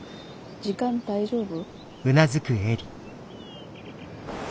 時間大丈夫？